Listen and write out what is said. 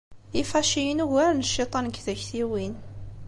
Ifaciyen ugaren cciṭan deg taktiwin.